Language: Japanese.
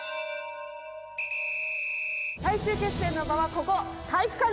最終決戦の場はここ体育館です。